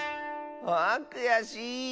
あくやしい！